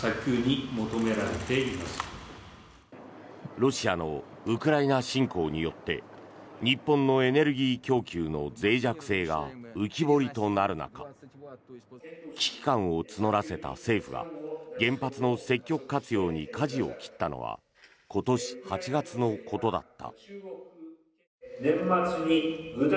ロシアのウクライナ侵攻によって日本のエネルギー供給のぜい弱性が浮き彫りとなる中危機感を募らせた政府が原発の積極活用にかじを切ったのは今年８月のことだった。